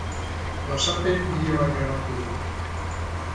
Whatsappen bideo bat grabatu du.